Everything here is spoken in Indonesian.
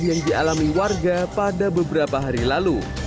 yang dialami warga pada beberapa hari lalu